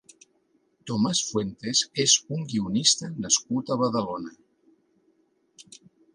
Tomàs Fuentes és un guionista nascut a Badalona.